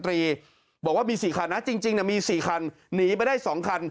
เทพสตรีบอกว่ามี๔คันจริงมี๔คันหนีไปได้๒คัน